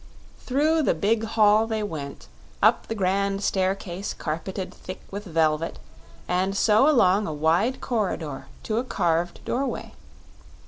Through the big hall they went, up the grand staircase carpeted thick with velvet, and so along a wide corridor to a carved doorway.